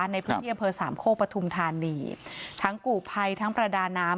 ในพื้นที่อำเภอสามโคกปฐุมธานีทั้งกู่ภัยทั้งประดาน้ำ